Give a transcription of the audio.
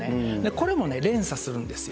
これもね、連鎖するんですよ。